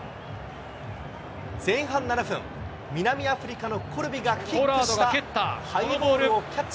前半７分、南アフリカのコルビがキックしたハイボールをキャッチ。